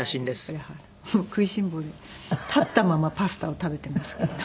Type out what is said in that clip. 食いしん坊で立ったままパスタを食べていますけど。